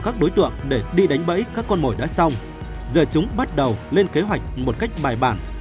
các đối tượng để đi đánh bẫy các con mồi đã xong giờ chúng bắt đầu lên kế hoạch một cách bài bản